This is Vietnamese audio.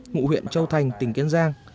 ngụ huyện châu thành tỉnh kiên giang